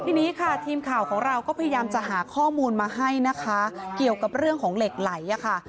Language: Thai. ทีนี้ค่ะทีมข่าวของเราก็พยายามจะหาข้อมูลมาให้นะคะเกี่ยวกับเรื่องของเหล็กไหลอะค่ะ